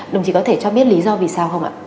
đồng chí có thể cho biết lý do vì sao không ạ